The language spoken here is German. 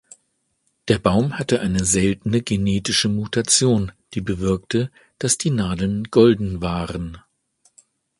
Der Baum hatte eine seltene genetische Mutation, die bewirkte, dass die Nadeln golden waren.